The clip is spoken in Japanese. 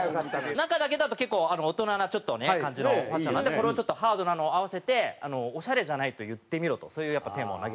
中だけだと結構大人な感じのファッションなんでこれをちょっとハードなのを合わせてオシャレじゃないと言ってみろとそういうテーマを投げかけて。